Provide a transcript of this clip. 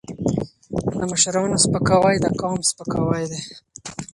د مشرانو سپکاوی د قوم سپکاوی دی.